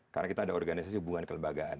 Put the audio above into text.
karena kita ada organisasi hubungan kelembagaan